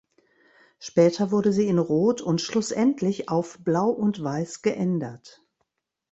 Später wurde sie in Rot und schlussendlich auf blau und weiß geändert.